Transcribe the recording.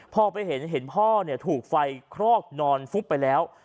พอไปเห็นพ่อถูกไฟคลอกนอนฟุบไปแล้ว